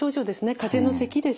かぜのせきです。